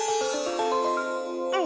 うん。